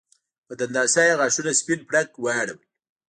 په دنداسه یې غاښونه سپین پړق واړول